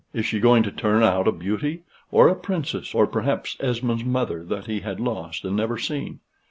Is she going to turn out a beauty? or a princess? or perhaps Esmond's mother that he had lost and never seen?